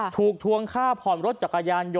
ถูกทวงค่าพรรมรถจักรยานยนต์